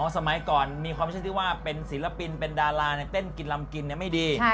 สมัยก่อนมีความไม่ใช่ที่ว่าเป็นศิลปินเป็นดาราเต้นกินลำกินไม่ดี